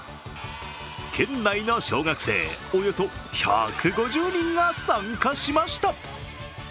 県内の小学生、およそ１５０人が参加しました。